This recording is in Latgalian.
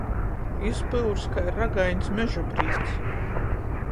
Izpyurs kai ragaiņs meža brīds.